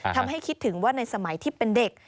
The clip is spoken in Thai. คิดถึงว่าในสมัยที่เป็นเด็ก